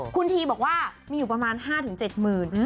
คุณทีบอกว่ามีอยู่ประมาณ๕๗หมื่น